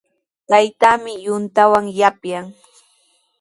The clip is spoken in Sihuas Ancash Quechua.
Taytaami yuntawan yapyan.